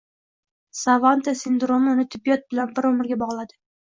Savanta sindromi uni tibbiyot bilan bir umrga bogladi.